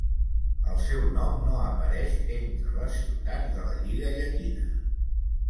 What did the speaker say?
El seu nom no apareix entre les ciutats de la Lliga Llatina.